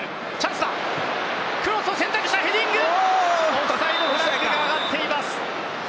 オフサイドフラッグが上がっていました。